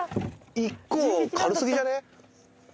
１個軽すぎじゃね？